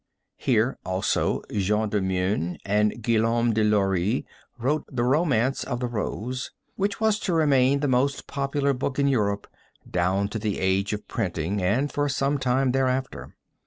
Here also Jean de Meun and Guillaume de Lorris wrote the Romance of the Rose, which was to remain the most popular book in Europe down to the age of printing and for some time thereafter.